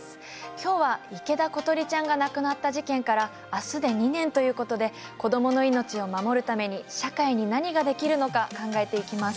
今日は池田詩梨ちゃんが亡くなった事件から明日で２年ということで子どもの命を守るために社会に何ができるのか考えていきます。